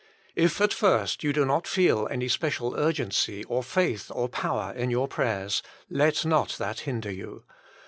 If at first you do not feel any special urgency or faith or power in your prayers, let not that hinder you.